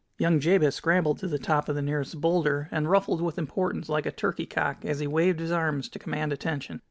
Young Jabez scrambled to the top of the nearest boulder, and ruffled with importance like a turkey cock as he waved his arms to command attention.